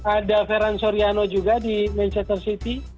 ada ferran soriano juga di manchester city